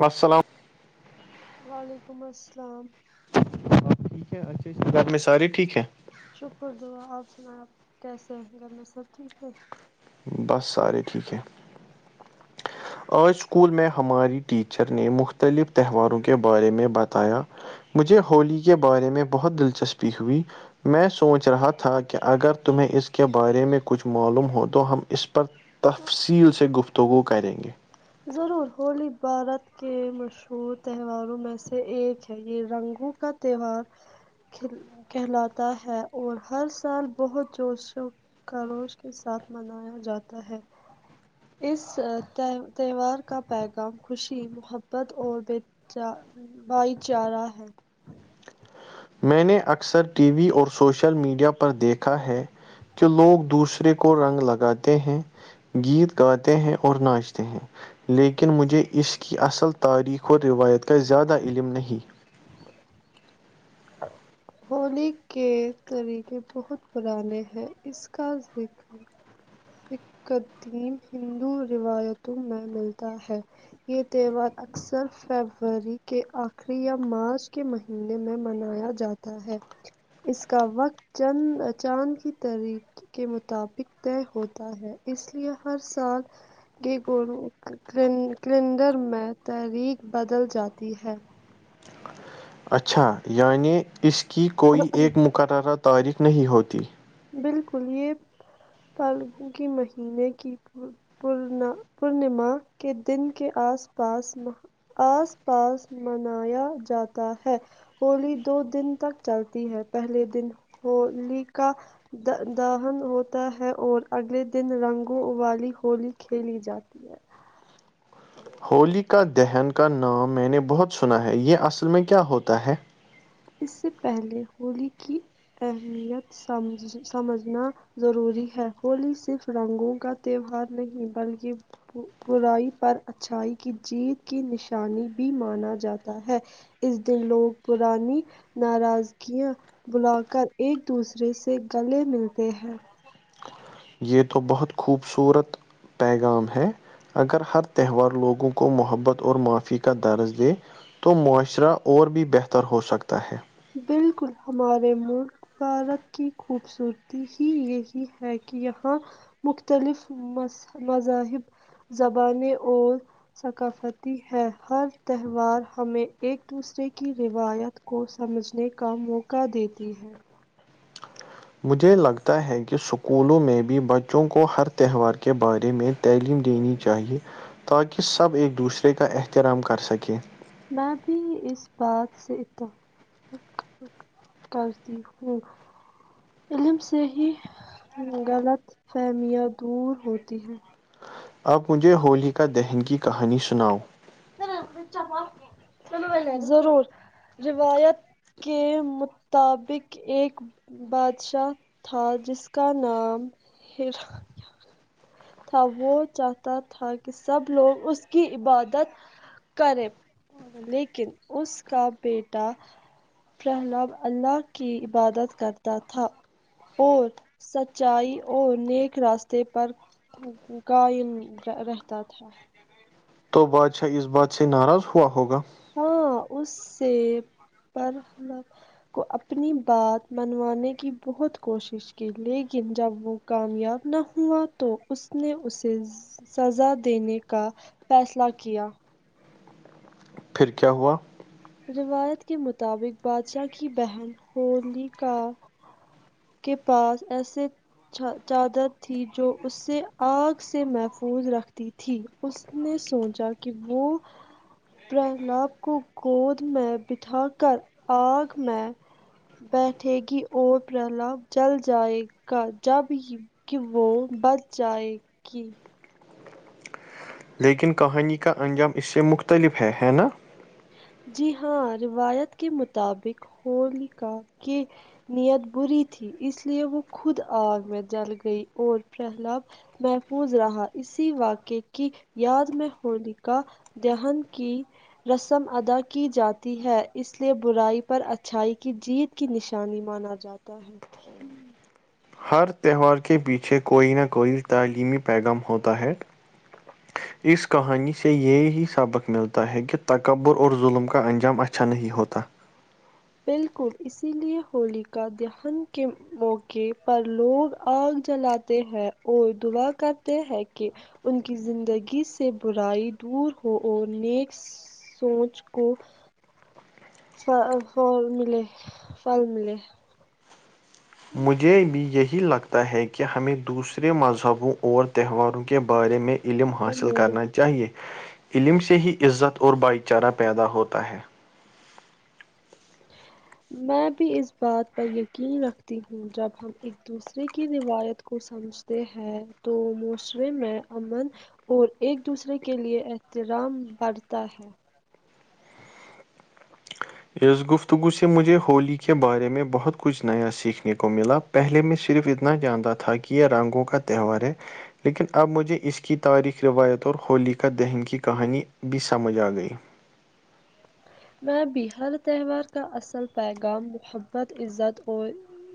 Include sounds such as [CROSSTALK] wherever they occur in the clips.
وسلام وعلیکم السلام ٹھیک ہے اچھے اچھے گھر میں سارے ٹھیک ہے شکر دعا آپ سنا آپ کیسے ہیں گھر میں سب ٹھیک ہے بس سارے ٹھیک ہے آج اسکول میں ہماری ٹیچر نے مختلف تہواروں کے بارے میں بتایا مجھے ہولی کے بارے میں بہت دلچسپی ہوئی میں سوچ رہا تھا کہ اگر تمہیں اس کے بارے میں کچھ معلوم ہو تو ہم اس پر تفصیل سے گفتگو کریں گے ضرور ہولی بھارت کے مشہور تہواروں میں سے ایک ہے یہ رنگوں کا تہوار کہلاتا ہے اور ہر سال بہت جوش و خروش کے ساتھ منایا جاتا ہے اس تہ تہوار کا پیغام خوشی محبت اور بے بھائی چارہ ہے میں نے اکثر ٹی وی اور سوشل میڈیا پر دیکھا ہے کہ لوگ دوسرے کو رنگ لگاتے ہیں گیت گاتے ہیں اور ناچتے ہیں لیکن مجھے اس کی اصل تاریخ اور روایت کا زیادہ علم نہیں ہولی کے طریقے بہت پرانے ہیں اس کا ذکر قدیم ہندو روایتوں میں ملتا ہے یہ تہوار اکثر فیبری کے آخری یا مارچ کے مہی نے میں منایا جاتا ہے اس کا وقت چند چاند کی طریق کے مطابق طے ہوت تا ہے اس لیے ہر سال کی ککیلون کیلینڈ کیلنڈر میں تاریخ بدل جاتی ہے اچھا یعنی اس کی کوئی ایک مقررہ تاریخ نہیں ہوتی بالکل یہ پالگو کی مہینے کی پورنا پورنیما کے دن کے آس پاس آس پاس منایا جاتا ہے ہولی دو دن تک چلتی ہے پہلے دن ہولی کا د دہن ہوتا ہے اور اگلے دن رنگوں والی ہولی کھیلی جاتی ہے ہولی کا دہن کا نام میں نے بہت سنا ہے یہ اصل میں کیا ہوتا ہے اس سے پہلے ہولی کی اہمیت سمجھ سمجھنا ضروری ہے ہولی صرف رنگوں کا تہوار نہیں بلکہ برائی پر اچھائی کی جیت کی نشانی بھی مانا جاتا ہے اس دن لوگ پرانی ناراض گیاں بھولا کر ایک دوسرے سے گلے ملتے ہیں یہ تو بہت خوبصورت پیغام ہے اگر ہر تہوار لوگوں کو محبت اور معافی کا درس دے تو معاشرہ اور بھی بہتر ہو سکتا ہے بالکل ہمارے مع بھارت کی خوبصورتی ہی یہی ہے کہ یہاں مختلف مذ مذاہب زبانیں اور ثقافتی ہے ہر تہوار ہمیں ایک دوسرے کی روایت کو سمجھنے کا موقع دیتی ہے مجھے لگتا ہے کہ اسکولوں میں بھی بچوں کو ہر تہوار کے بارے میں تعلیم دینی چاہیے تاکہ سب ایک دوسرے کا احترام کر سکیں میں بھی اس بات سے ات کرتی ہوں علم سے ہی غلط فہمیاں دور ہوتی ہیں آپ مجھے ہولی کا دہن کی کہانی سناؤ ضرور روایت کے مطابق ایک بادشاہ تھا جس کا نام ہر تھا وہ چاہتا تھا کہ سب لوگ اس کی عبادت کریں لیکن اس کا بیٹا پہلا رب اللہ کی عبادت کرتا تھا اور سچائی اور نیک راستے پر قائم رہ رہتا تھا تو بادشاہ اس بات سے ناراض ہوا ہوگا ہاں اس سے پر کو اپنی بات منوانے کی بہت کوشش کی لیکن جب وہ کامیاب نہ ہوا تو اس نے اسے سزا دینے کا فیصلہ کیا پھر کیا ہوا روایت کے مطابق بادشاہ کی بہن ہولی کا کے پاس ایسے چہا چادر تھی جو اس سے آگ سے محفوظ رکھتی تھی اس نے سوچا کہ وہ پہلاب کو گود میں بٹھا کر آگ میں بیٹھے گی اور پرلاد جل جائے گا جب ہی کہ وہ بچ جائے گی لیکن کہانی کا انجام اس سے مختلف ہے ہے نا جی ہاں روایت کے مطابق ہول کاکے نیت بری تھی اس لیے وہ خود آگ میں جل گئی اور پہلاب محفوظ رہا اسی واقعے کی یاد میں ہولی کا دہان کی رسم ادا کی جاتی ہے اس لیے برائی پر اچھائی کی جیت کی نشانی مانا جاتا ہے ہر تہوار کے پیچھے کوئی نہ کوئی تعلیمی پیغام ہوتا ہے اس کہانی سے یہی سبق ملتا ہے کہ تکبر اور ظلم کا انجام اچھا نہیں ہوتا بالکل اسی لیے ہولی کا دہن کے موقع پر لوگ آگ جلاتے ہے اور دعا کرتے ہے کہ ان کی زندگی سے برائی دور ہو اور نیک سوچ کو ف ف ملے فل ملے مجھے بھی یہی لگتا ہے کہ ہمیں دوسرے مذہبوں اور تہواروں کے بارے میں علم حاصل ملے کرنا چاہے علم سے ہی عزت اور بھائی چارہ پیدا ہوتا ہے میں بھی اس بات پر یقین رکھتی ہوں جب ہم ایک دوسرے کی روایت کو سمجھتے ہیں تو موسرے میں امن اور ایک دوسرے کے لیے احترام بڑھتا ہے اس گفتگو سے مجھے ہولی کے بارے میں بہت کچھ نیا سیکھنے کو ملا پہلے میں صرف اتنا جانتا تھا کہ یہ رنگوں کا تہوار ہے لیکن اب مجھے اس کی تاریخ روایت اور ہولی کا دہن کی کہانی بھی سمجھ آ گئی میں بھی ہار تہوار کا اصل پیغام محبت عزت اور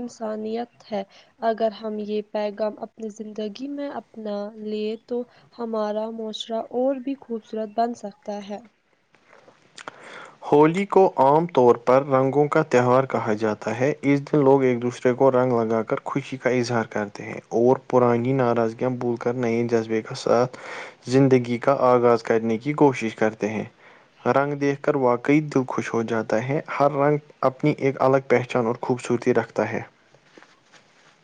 انسانیت ہے اگر ہم یہ پیغام اپنی زندگی میں اپنا لیے تو ہمارا معاشرہ اور بھی خوبصورت بن سکتا ہے ہولی کو عام طور پر رنگوں کا تہوار کہا جاتا ہے اس دن لوگ ایک دوسرے کو رنگ لگا کر خوشی کا اظہار کرتے ہیں اور پرانی ناراضگیاں بھول کر نئے جذبے کا ساتھ زندگی کا آغاز کرنے کی کوشش کرتے ہیں رنگ دیکھ کر کر واقعی دل خوش ہو جاتا ہے ہر رنگ اپنی ایک الگ پہچان اور خوبصورتی رکھتا ہے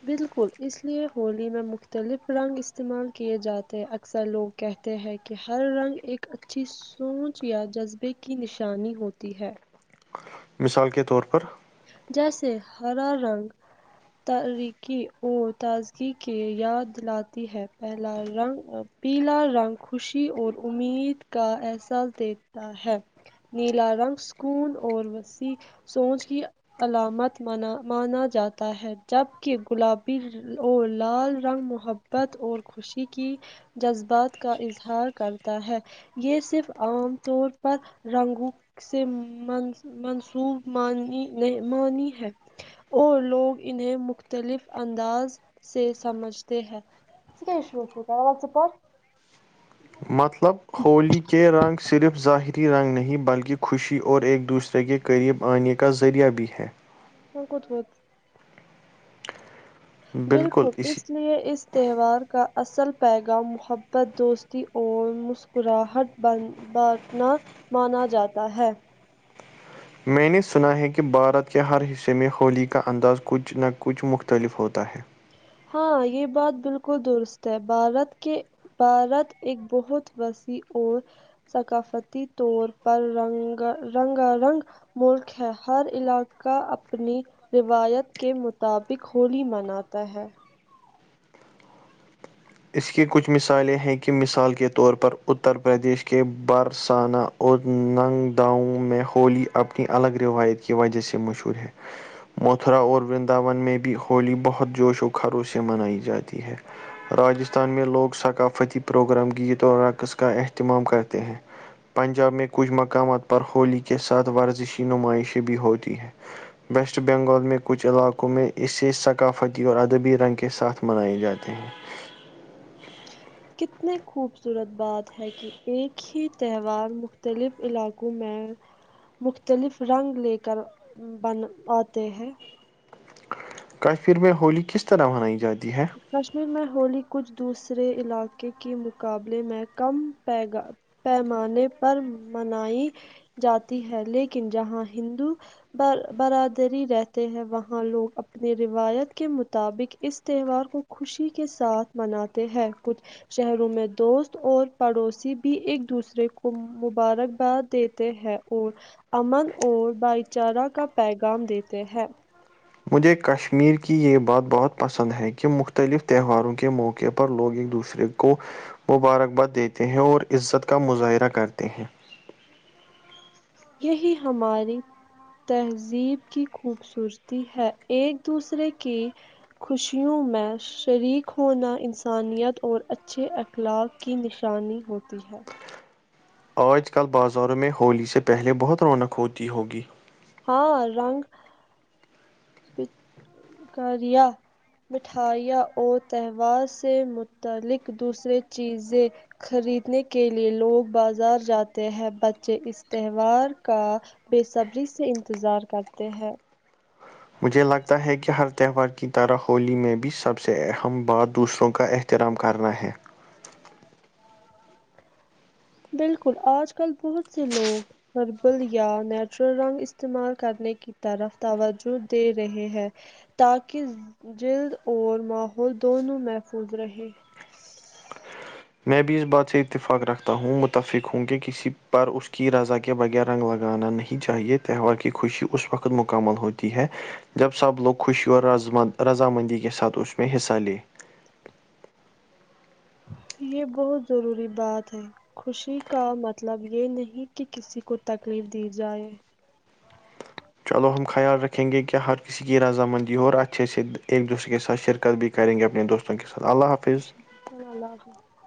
بالکل اس لیے ہولی میں مختلف رنگ استعمال کیے جاتے ہیں اکثر لوگ کہتے ہیں کہ ہر رنگ ایک اچھی سوچ یا جذبے کی نشانی ہوتی ہے مثال کے طور پر جیسے ہرا رنگ تارییکی اور تازگی کی یاد دلاتی ہے پہلا رنگ پیلا رنگ خوشی اور امید کا احساس دیتا ہے نیلا رنگ سکون اور وسیع سوچ کی علامت مانا جاتا ہے جبکہ گلابی اور لال رنگ محبت بت اور خوشی کی جذبات کا اظہار کرتا ہے یہ صرف عام طور پر رنگو سے منسوب مانی ہے اور لوگ انہیں مختلف انداز سے سمجھتے ہیں [UNINTELLIGIBLE] کیاوو کیااو پر مطلب ہولی کے رنگ صرف ظاہری رنگ نہیں بلکہ خوشی اور ایک دوسرے اس کہ قریب آنے کا ذریعہ بھی ہے کون کو ہوت بالکل اس لیے اس تہوار کا اصل پیغام محبت دوستی اور مسکراہٹ بند بانٹنا مانا جاتا ہے میں نے سنا ہے کہ بھارت کے ہر حصے میں ہولی کا انداز کچھ نہ کچھ مختلف ہوتا ہے ہاں یہ بات بالکل درست ہے بھارت کے بھارت ایک بہت وسیع اور ثقافتی طور پر رنگ رنگا رنگ ملک ہے ہر علاقہ اپنی روایت کے مطابق ہولی مناتا ہے اس کی کچھ مثالیں ہیں کہ مثال کے طور پر اتر پردیش کے برسانہ اور ننگ داؤں میں ہولی اپنی الگ روایت کی وجہ سے مشہور ہے متھرا اور ورنداون میں بھی ہولی بہت جوش و خھروش سے منائی جاتی ہے راجستھان میں لوگ ثقافتی پروگرام گیت اور رقص کا اہتمام کرتے ہیں پنجاب میں کچھ مقامات پر ہولی کے ساتھ ورزشی نمائشیں بھی ہوتی ہیں ویسٹ بنگال میں کچھ علاقوں میں اسے ثقافتی اور ادبی رنگ کے ساتھ منائے جاتے ہیں کتنی خوبصورت بات ہے کہ ایک ہی تہوار مختلف علاقوں میں مختلف رنگ لے کر بن آتے ہیں کافر میں ہولی کس طرح منائی جاتی ہے کشمیر میں ہولی کچھ دوسرے علاقے کے مقابلے میں کم پ گا پیمانے پر منائی جاتی ہے لیکن جہاں ہندو بر برادری رہتے ہیں وہاں لوگ اپنی روایت کے مطابق اس تہوار کو خوشی کے ساتھ مناتے ہیں کچھ شہروں میں دوست اور پڑوسی بھی ایک دوسرے کو مبارکباد دیتے ہیں اور امن اور بھائی چارہ کا پیغام دیتے ہیں مجھے کشمیر کی یہ بات بہت پسند ہے کہ مختلف تہواروں کے موقع پر لوگ ایک دوسرے کو مبارکباد دیتے ہیں اور عزت کا مظاہرہ کرتے ہیں یہی ہماری تہذیب کی خوبصورتی ہے ایک دوسرے کی خوشیوں میں شریک ہونا انسانیت اور اچھے اخلاق کی نشانی ہوتی ہے آج کل بازاروں میں ہولی سے پہلے بہت رونق ہوتی ہوگی ہاں رنگ کریا مٹھائیاں اور تہوار سے متعلق دوسریے چیزیں خریدنے کے لیے لوگ بازار جاتے ہیں بچے اس تہوار کا بے صبری سے انتظار کرتے ہیں مجھے لگتا ہے کہ ہر تہوار کی طرح ہولی میں بھی سب سے اہم بات دوسروں کا احترام کرنا ہے بالکل آج کل بہت سے لوگ ہربل یا نیچرل رنگ استعمال کرنے کی طرف توجہ دے رہے ہیں تاکہ جلد اور ماحول دونوں محفوظ رہے میں بھی اس بات سے اتفاق رکھتا ہوں متفق ہوں کہ کسی پر اس کی رضا کے بغیر رنگ لگانا نہیں چاہیے تہوار کی خوشی اس وقت مکمل ہوتی ہے جب سب لوگ خوشی اور رضامندی کے ساتھ اس میں حسسا لے یہ بہت ضروری بات ہے خوشی کا مطلب یہ نہیں کہ کسی کو تکلیف دی جائے چلو ہم خیال رکھیں گے کیا ہر کسی اس کی رضا مندی اور اچھے سے ایک دوسرے کے ساتھ شرکربھی کرے گے اپنے دوستوں کے سات اللہ حفظ اللہ حافظ